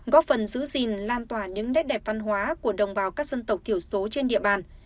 góp phần giữ gìn lan tỏa những nét đẹp văn hóa của đồng bào các dân tộc thiểu số trên địa bàn